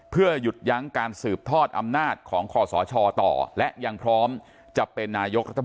เพื่อหยุดยั้งการสืบทอดอำนาจของคอสชต่อและยังพร้อมจะเป็นนายกรัฐมนตรี